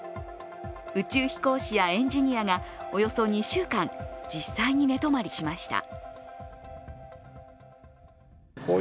宇宙飛行士やエンジニアがおよそ２週間、実際に寝泊まりしました。